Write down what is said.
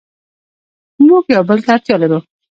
موږ یو بل ته اړتیا لرو.